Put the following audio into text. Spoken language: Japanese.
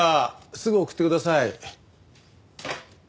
すぐ送ってください。